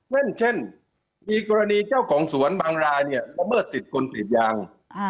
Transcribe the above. เช่นมีกรณีเจ้าของสวนบางรายเนี่ยละเมิดสิทธิ์คนกรีดยาง